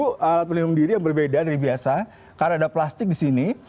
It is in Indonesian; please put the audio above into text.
itu alat pelindung diri yang berbeda dari biasa karena ada plastik di sini